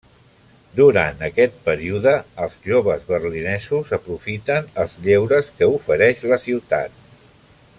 Durant aquest període, els joves Berlinesos aprofiten els lleures que ofereix la ciutat.